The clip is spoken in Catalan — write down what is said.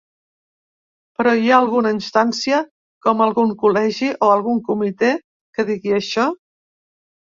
Però hi ha alguna instància, com algun col·legi o algun comitè, que digui això?